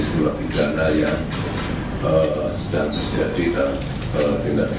setiap bidang daya sedang menjadi